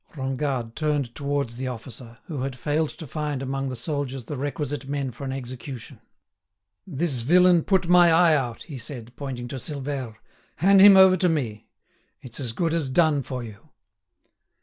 Rengade turned towards the officer, who had failed to find among the soldiers the requisite men for an execution. "This villain put my eye out," he said, pointing to Silvère. "Hand him over to me. It's as good as done for you."